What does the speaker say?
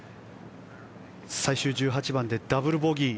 最終１８番でダブルボギー。